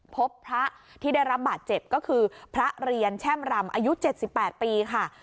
พบพระที่ได้รับบาดเจ็บก็คือพระเรียนแช่มรำอายุ๗๘ปีค่ะ